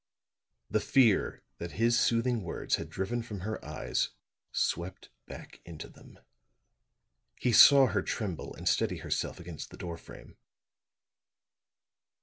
The fear that his soothing words had driven from her eyes, swept back into them; he saw her tremble and steady herself against the door frame.